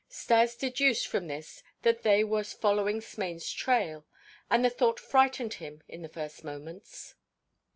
Stas deduced from this that they were following Smain's trail, and the thought frightened him in the first moments.